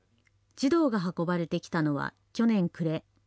児童が運ばれてきたのは去年暮れ。